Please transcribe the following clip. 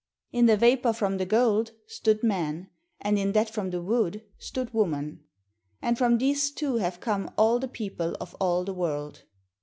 In the vapor from the gold stood man, and in that from the wood stood woman; and from these two have come all the people of all the world.